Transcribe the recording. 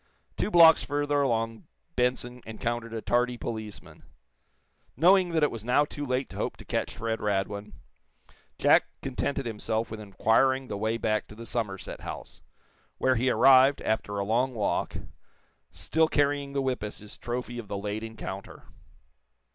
Two blocks further along Benson encountered a tardy policeman. Knowing that it was now too late to hope to catch Fred Radwin, Jack contented himself with inquiring the way back to the Somerset House, where he arrived, after a long walk, still carrying the whip as his trophy of the late encounter.